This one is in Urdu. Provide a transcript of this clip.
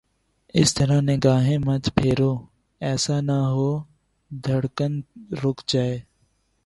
اس طرح نگاہیں مت پھیرو، ایسا نہ ہو دھڑکن رک جائے